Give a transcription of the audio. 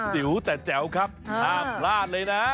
จิ๋วแต่แจ๋วครับห้ามพลาดเลยนะ